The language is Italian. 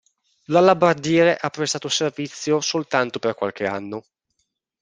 L'alabardiere ha prestato servizio soltanto per qualche anno.